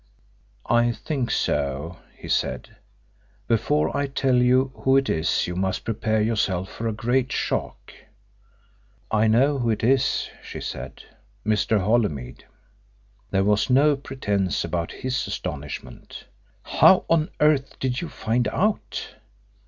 "I think so," he said. "Before I tell you who it is you must prepare yourself for a great shock." "I know who it is" she said "Mr. Holymead." There was no pretence about his astonishment. "How on earth did you find out?"